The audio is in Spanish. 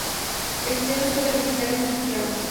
Estudió en la Escuela Militar, en Santiago.